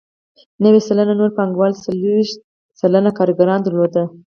نوي سلنه نورو پانګوالو څلوېښت سلنه کارګران درلودل